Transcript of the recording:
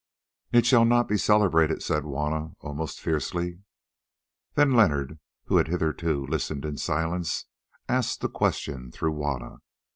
"It shall not be celebrated," said Juanna, almost fiercely. Then Leonard, who had hitherto listened in silence, asked a question through Juanna.